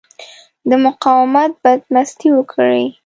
د مقاومت بدمستي وکړي.